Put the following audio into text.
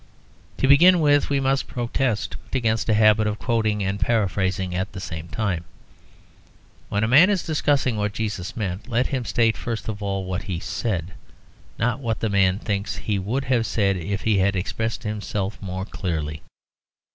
To begin with, we must protest against a habit of quoting and paraphrasing at the same time. When a man is discussing what Jesus meant, let him state first of all what He said, not what the man thinks He would have said if he had expressed Himself more clearly.